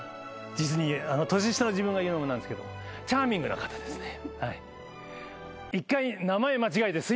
年下の自分が言うのも何ですけどチャーミングな方ですね。